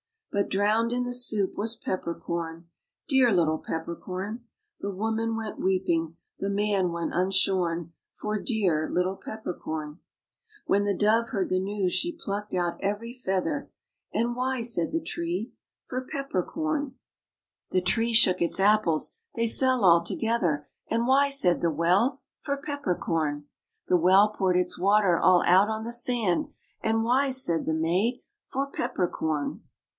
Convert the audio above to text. But drowned in the soup was Pepper Corn, Dear little Pepper Corn ! The woman went weeping, the man went unshorn For dear little Pepper Corn. When the dove heard the news, she plucked out every feather ; ^^And why?" said the tree. For Pepper Corn! lOO THE CHILDREN'S WONDER BOOK. The tree shook its apples, they fell all together ; ^^And why?'' said the well. For Pepper Corn! The well poured its water all out on the sand ; ^^And why?" said the maid. For Pepper Corn!